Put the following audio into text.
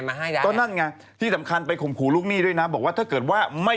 เคยได้ยินว่าตอนนี้มีดอกเบี้ยต่อวันนะ